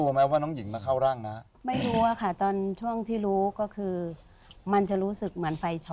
จนวันที่เผาศพมาอีกแล้ว